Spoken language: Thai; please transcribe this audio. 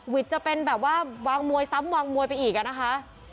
จะเป็นแบบว่าวางมวยซ้ำวางมวยไปอีกอะนะคะ